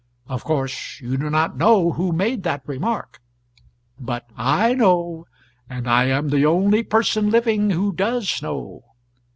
Of course you do not know who made that remark, but I know, and I am the only person living who does know.